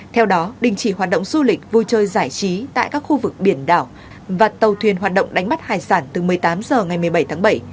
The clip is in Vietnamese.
theo đó đình chỉ hoạt động du lịch vui chơi giải trí tại các khu vực biển đảo và tàu thuyền hoạt động đánh bắt hải sản từ một mươi tám h ngày một mươi bảy tháng bảy